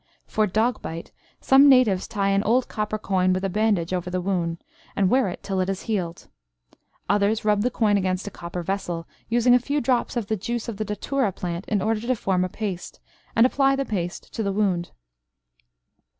For dog bite, some Natives tie an old copper coin with a bandage over the wound, and wear it till it has healed. Others rub the coin against a copper vessel, using a few drops of the juice of the datura plant in order to form a paste, and apply the paste to the wound.